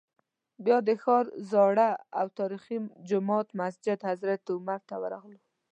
بیا د ښار زاړه او تاریخي جومات مسجد حضرت عمر ته ورغلو.